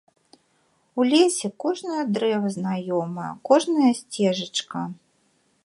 У лесе кожнае дрэва знаёмае, кожная сцежачка.